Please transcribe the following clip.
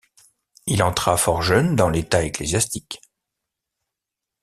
Il entra fort jeune dans l'état ecclésiastique.